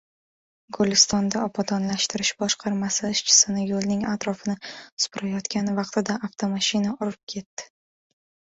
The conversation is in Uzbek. Gulistonda Obodonlashtirish boshqarmasi ishchisini yo‘lning atrofini supurayotgan vaqtida avtomashina urib ketdi